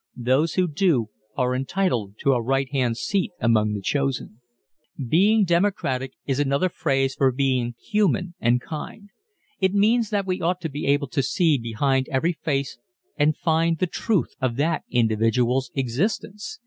Those who do are entitled to a right hand seat among the chosen. Being democratic is another phrase for being human and kind. It means that we ought to be able to see behind every face and find the truth of that individual's existence.